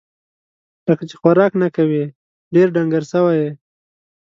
لکه چې خوراک نه کوې ، ډېر ډنګر سوی یې